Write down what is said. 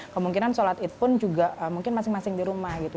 kemungkinan sholat id pun juga mungkin masing masing di rumah gitu